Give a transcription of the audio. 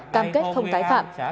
cam kết không tái phạm